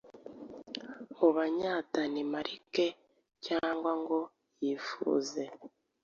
mu Banya Danemarkecyangwa ngo yifuze